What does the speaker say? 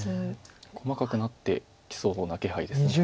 細かくなってきそうな気配です。